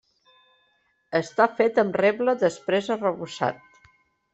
Està fet amb reble després arrebossat.